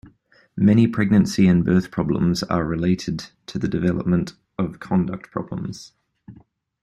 Many pregnancy and birth problems are related to the development of conduct problems.